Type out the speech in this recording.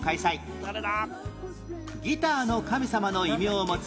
ギターの神様の異名を持つ